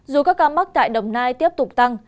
dù các ca mắc tại đồng nai tiếp tục tăng